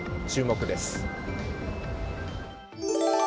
注目です。